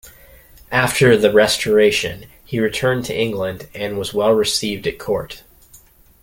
After the Restoration he returned to England, and was well received at court.